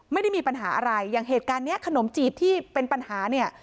ไม่ได้มีปัญหาอะไรอย่างเหตุการณ์เนี้ยขนมจีบที่เป็นปัญหาเนี่ย